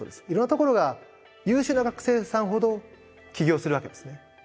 いろんなところが優秀な学生さんほど起業するわけですね。